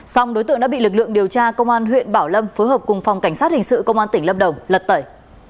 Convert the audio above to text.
xong đối tượng đã bị lực lượng điều tra công an huyện bảo lâm phối hợp cùng phòng cảnh sát hình sự công an tỉnh lâm đồng lật tẩy